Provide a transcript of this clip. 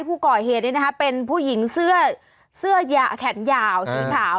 ผู้ก่อยเหตุนี้นะคะเป็นผู้หญิงเสื้อเสื้อแขนยาวสีขาว